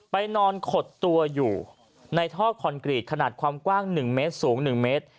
นอนขดตัวอยู่ในท่อคอนกรีตขนาดความกว้าง๑เมตรสูง๑เมตร